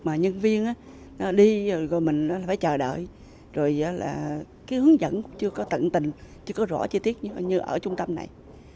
mà nhân viên đi mình phải chờ đợi rồi là cái hướng dẫn chưa có tận tình chưa có rõ chi tiết như ở trung tâm này